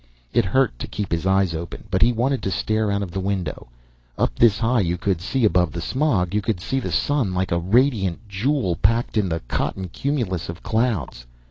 It hurt to keep his eyes open, but he wanted to stare out of the window. Up this high you could see above the smog. You could see the sun like a radiant jewel packed in the cotton cumulus of clouds.